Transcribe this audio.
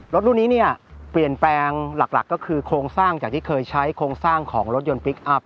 รถรุ่นนี้เนี่ยเปลี่ยนแปลงหลักก็คือโครงสร้างจากที่เคยใช้โครงสร้างของรถยนต์พลิกอัพ